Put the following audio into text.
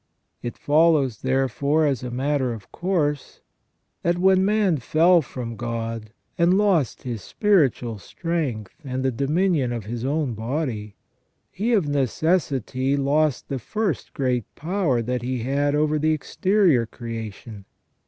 It follows, therefore, as a matter of course, that when man fell from God, and lost his spiritual strength, and the dominion of his own body, he of necessity lost the first great power that he had over the exterior creation.